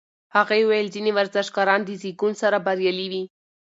هغې وویل ځینې ورزشکاران د زېږون سره بریالي وي.